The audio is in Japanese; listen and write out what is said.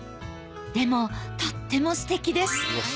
でもとってもすてきです！